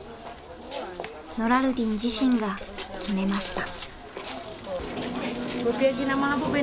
ノラルディン自身が決めました。